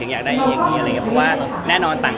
เราตามใจเขามากกว่า้เลยรึ่ง